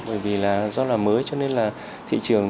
bởi vì là do là mới cho nên là thị trường